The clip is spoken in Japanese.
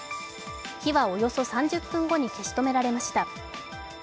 火はおよそ３０分後に消し止められました。